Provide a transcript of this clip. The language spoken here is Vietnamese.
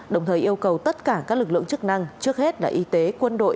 đồng thời yêu cầu tất cả các lực lượng chức năng trước hết là y tế quân đội